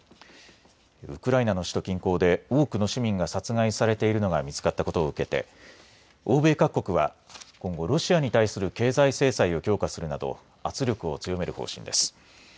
ウクライナの首都近郊で多くの市民が殺害されているのが見つかったことを受けて欧米各国は今後、ロシアに対する経済制裁を強化するなど圧力を強める方針です。